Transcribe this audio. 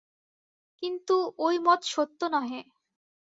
কিন্তু ঐ মত সত্য নহে।